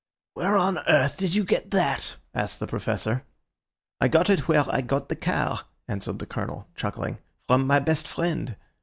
"Where on earth did you get that?" asked the Professor. "I got it where I got the car," answered the Colonel, chuckling, "from my best friend.